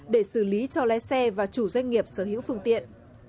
sau lái xe và chủ doanh nghiệp sở hữu phương tiện